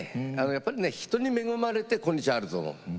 やっぱりね人に恵まれて今日あると思う。